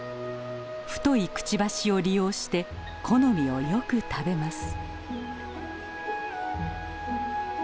太いくちばしを利用して木の実をよく食べます。